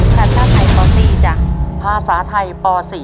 ภาษาไทยป๔จ้ะภาษาไทยป๔